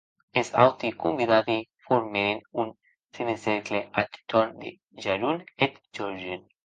Es auti convidadi formèren un semicercle ath torn de Jorun e Jorgen.